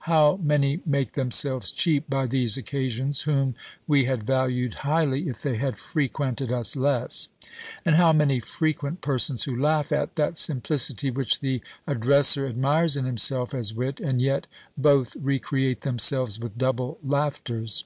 How many make themselves cheap by these occasions, whom we had valued highly if they had frequented us less! And how many frequent persons who laugh at that simplicity which the addresser admires in himself as wit, and yet both recreate themselves with double laughters!